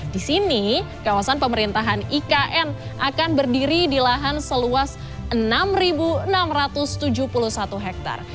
di sini kawasan pemerintahan ikn akan berdiri di lahan seluas enam enam ratus tujuh puluh satu hektare